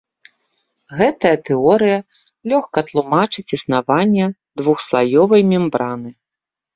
Гэтая тэорыя лёгка тлумачыць існаванне двухслаёвай мембраны.